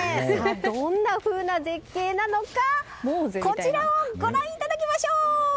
どんなふうな絶景なのかこちらをご覧いただきましょう！